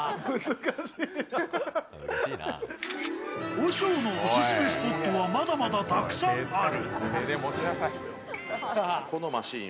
和尚のおすすめスポットはまだまだたくさんある。